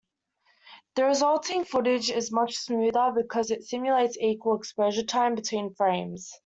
The resulting footage is much smoother because it simulates equal exposure time between frames.